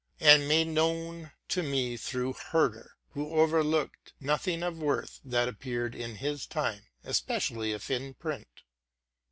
and made known to me through Herder, who overlooked nothing of worth that appeared in his time, especially if in print.